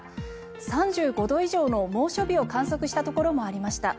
３５度以上の猛暑日を観測したところもありました。